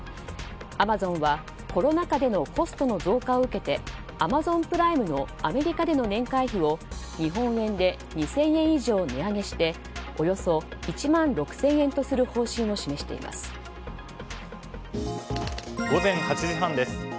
アマゾンはコロナ禍でのコストの増加を受けてアマゾンプライムのアメリカでの年会費を、日本円で２０００円以上値上げしておよそ１万６０００円とする午前８時半です。